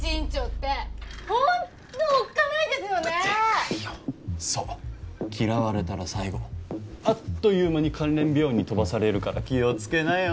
でかいよそう嫌われたら最後あっという間に関連病院に飛ばされるから気をつけなよ